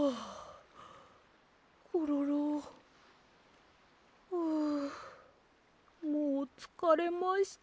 コロロ？はあもうつかれました。